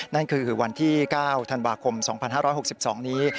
นั่นคือวันที่๙ธันวาคม๒๕๖๒นี้